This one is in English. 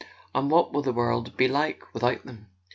And what will the world be like with¬ out them?"